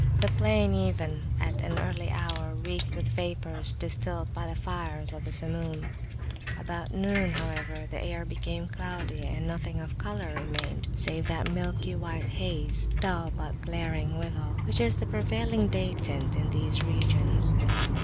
The plain even at an early hour reeked with vapours distilled by the fires of the Samum: about noon, however, the air became cloudy, and nothing of colour remained, save that milky white haze, dull, but glaring withal, which is the prevailing day tint in these regions.